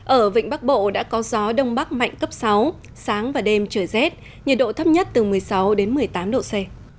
ở vịnh bắc bộ đã có gió đông bắc mạnh cấp sáu sáng và đêm trời rét nhiệt độ thấp nhất từ một mươi sáu đến một mươi tám độ c